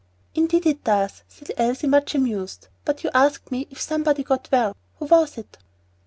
"Indeed it does," said Elsie, much amused. "But you asked me if somebody got well. Who was it?"